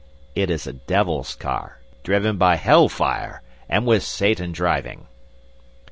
"It is a devil's car, driven by hellfire, and with Satan driving!"